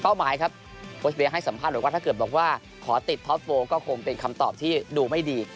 หมายครับโค้ชเวียให้สัมภาษณ์บอกว่าถ้าเกิดบอกว่าขอติดท็อปโวก็คงเป็นคำตอบที่ดูไม่ดี